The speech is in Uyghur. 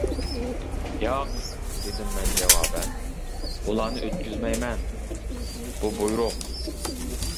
-ياق، -دېدىم مەن جاۋابەن، -ئۇلارنى ئۆتكۈزمەيمەن، بۇ بۇيرۇق!